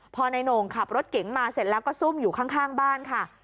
พอนายโหน่งขับรถเก๋งมาเสร็จแล้วก็ซุ่มอยู่ข้างบ้านค่ะ